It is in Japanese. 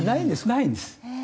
ないんです。